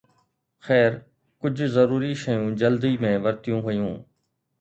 خير، ڪجهه ضروري شيون جلدي ۾ ورتيون ويون